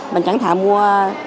mình chẳng thà mua